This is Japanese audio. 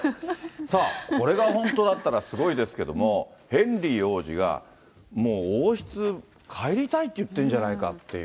さあ、これが本当だったらすごいですけども、ヘンリー王子がもう、王室帰りたいって言ってるんじゃないかっていう。